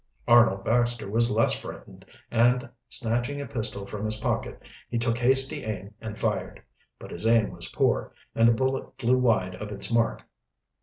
Arnold Baxter was less frightened, and snatching a pistol from his pocket, he took hasty aim and fired. But his aim was poor, and the bullet flew wide of its mark.